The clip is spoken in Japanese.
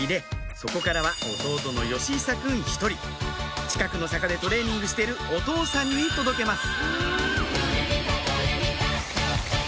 そこからは弟の義久くん１人近くの坂でトレーニングしてるお父さんに届けます